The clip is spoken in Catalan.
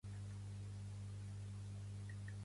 Com considera el cap de Podem que va ser l'ascens de Soria?